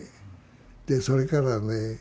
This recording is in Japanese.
でそれからね